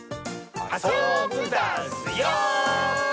あそぶダスよ！